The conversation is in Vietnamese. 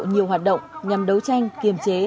nhiều hoạt động nhằm đấu tranh kiềm chế